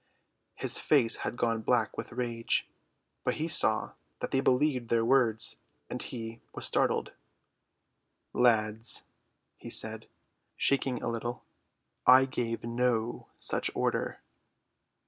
His face had gone black with rage, but he saw that they believed their words, and he was startled. "Lads," he said, shaking a little, "I gave no such order."